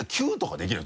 できるの？